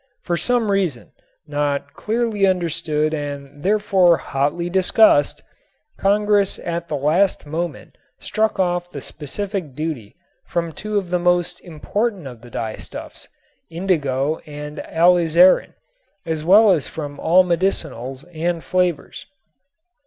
For some reason, not clearly understood and therefore hotly discussed, Congress at the last moment struck off the specific duty from two of the most important of the dyestuffs, indigo and alizarin, as well as from all medicinals and flavors.